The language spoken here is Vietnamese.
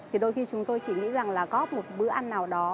thì đôi khi chúng tôi chỉ nghĩ rằng là góp một bữa ăn nào đó